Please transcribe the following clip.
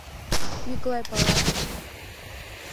— Миклай пала?